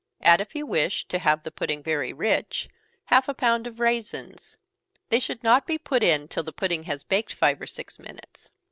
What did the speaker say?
Add, if you wish to have the pudding very rich, half a pound of raisins they should not be put in till the pudding has baked five or six minutes.